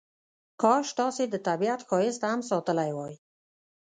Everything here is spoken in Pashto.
کاش تاسې د طبیعت ښایست هم ساتلی وای.